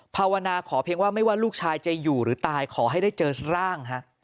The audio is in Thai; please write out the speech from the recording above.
ภาวนาขอเพียงว่าไม่ว่าลูกชายจะอยู่หรือตายขอให้ได้เจอร่าง